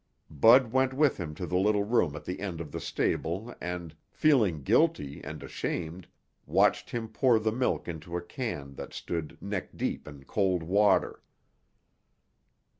Bud went with him to the little room at the end of the stable and, feeling guilty and ashamed, watched him pour the milk into a can that stood neck deep in cold water.